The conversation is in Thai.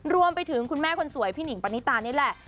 รวมไปถึงคุณแม่คนสวยพี่หนิงปณิตานี่แหละ